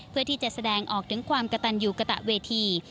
เพื่อที่จะแสดงออกถึงความกระตันอยู่กระตะเวที